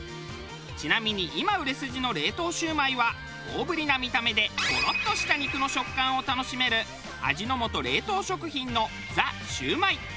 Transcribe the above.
ちなみに今売れ筋の冷凍シュウマイは大ぶりな見た目でゴロッとした肉の食感を楽しめる味の素冷凍食品のザ★シュウマイ。